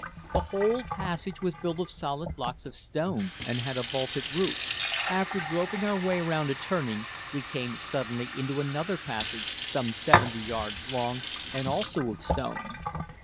The whole passage was built of solid blocks of stone and had a vaulted roof. After groping our way round a turning, we came suddenly into another passage some 70 yards long, and also of stone.